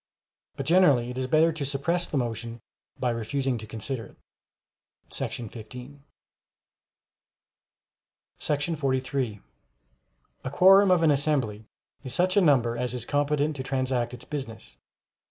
But generally it is better to suppress the motion by refusing to consider it [§ 15]. 43. A Quorum of an assembly is such a number as is competent to transact its business.